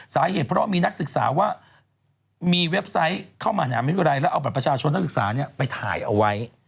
สาเหตุเพราะมีนักศึกษาว่ามีเว็บไซต์เข้ามหาวิทยาลัยแล้วเอาบัตรประชาชนนักศึกษาไปถ่ายเอาไว้